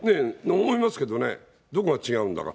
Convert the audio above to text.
思いますけどね、どこが違うんだか。